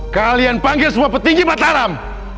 kalian panggil semua petinggi mataram